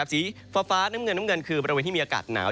สีฟ้าน้ำเงินน้ำเงินคือบริเวณที่มีอากาศหนาว